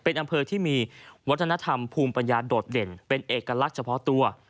เป็นอำเภอที่มีวัฒนธรรมภูมิปัญญาโดดเด่นเป็นเอกลักษณ์เฉพาะตัว